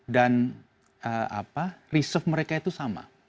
dan apa reserve mereka itu sama